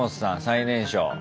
最年少。